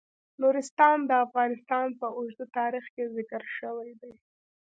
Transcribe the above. نورستان د افغانستان په اوږده تاریخ کې ذکر شوی دی.